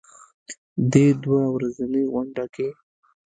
دې دوه ورځنۍ غونډه کې